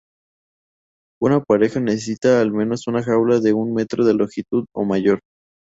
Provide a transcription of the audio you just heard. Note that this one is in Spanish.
Una pareja necesita al menos una jaula de un metro de longitud o mayor.